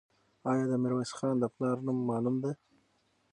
آیا د میرویس خان د پلار نوم معلوم دی؟